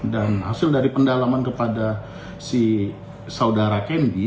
dan hasil dari pendalaman kepada si saudara kendi